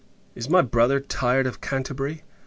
Is my brother tired of Canterbury?